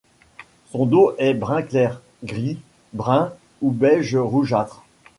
Son dos est brun clair, gris, brun ou beige rougeâtre.